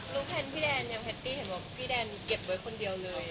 แพลนพี่แดนยังแฮปปี้เห็นบอกพี่แดนเก็บไว้คนเดียวเลย